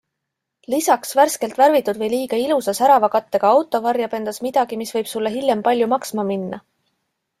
Lisaks, värskelt värvitud või liiga ilusa, särava kattega auto varjab endas midagi, mis võib sulle hiljem palju maksma minna.